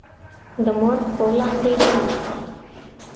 دې مور پښو لاندې جنت دی